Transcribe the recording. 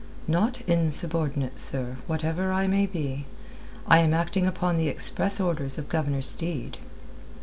"Not insubordinate, sir, whatever I may be. I am acting upon the express orders of Governor Steed."